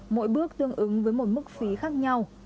mỗi bước tương ứng với một mức phí khác nhau